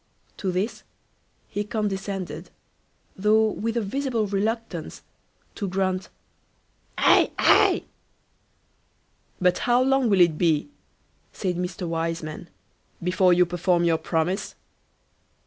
To this he condescended, though with a visible reluctance, to grunt, aye, aye. "But how long will it be, said Mr. Wiseman, before you perform your promise?"